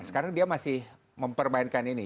sekarang dia masih mempermainkan ini